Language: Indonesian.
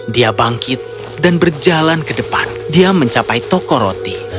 dia bangkit dan berjalan ke depan dia mencapai toko roti